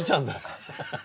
ハハハハ。